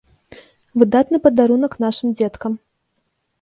Выдатны падарунак нашым дзеткам!